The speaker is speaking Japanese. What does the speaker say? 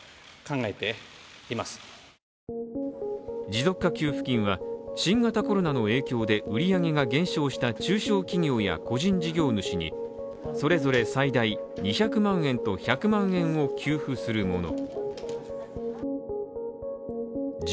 持続化給付金は、新型コロナの影響で売り上げが減少した中小企業や個人事業主にそれぞれ最大２００万円と１００万円を給付するもの